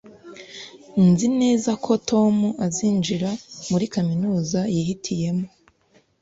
Nzi neza ko Tom azinjira muri kaminuza yihitiyemo